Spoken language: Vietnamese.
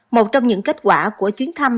một trong những kết quả của chuyến thăm